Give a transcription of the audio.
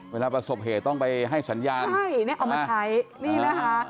ประสบเหตุต้องไปให้สัญญาณใช่นี่เอามาใช้นี่นะคะ